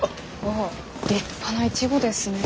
立派なイチゴですね。